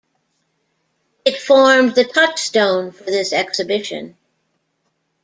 It formed the touchstone for this exhibition.